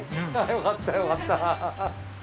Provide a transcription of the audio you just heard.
よかったよかった。